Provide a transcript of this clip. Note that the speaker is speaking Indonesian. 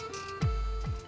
setan duduk di atas kebenaran